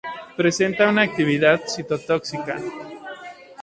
Presenta actividad citotóxica.